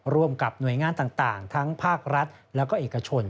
ร่วมกับหน่วยงานต่างทั้งภาครัฐแล้วก็เอกชน